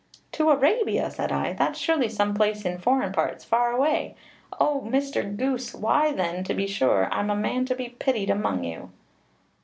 'To Arabia!' said I; 'that's surely some place in foreign parts, far away. Oh! Mr. Goose: why then, to be sure, I'm a man to be pitied among you.'